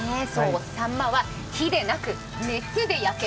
さんまは火でなく熱で焼け。